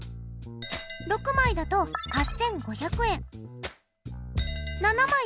７枚だと１０５００円。